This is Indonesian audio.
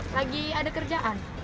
lagi ada kerjaan